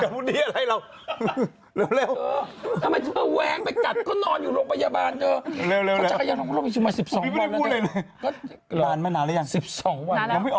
ปีใหม่นี่เขาเป็นอะไรนี่